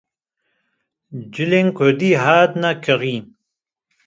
Cilên Kurdî hatine kirîn